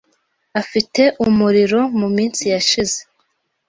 Afite umuriro muminsi yashize.